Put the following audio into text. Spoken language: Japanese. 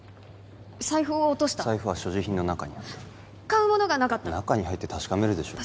財布を落とした財布は所持品の中にあった買うものがなかった中に入って確かめるでしょう